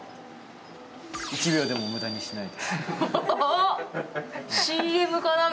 １秒でも無駄にしない。